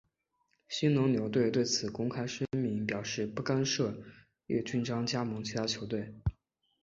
兴农牛队对此公开声明表示不干涉叶君璋加盟其他球队。